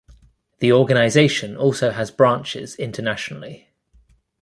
The organization also has branches internationally.